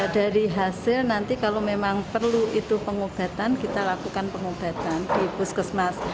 dari hasil nanti kalau memang perlu itu pengobatan kita lakukan pengobatan di puskesmas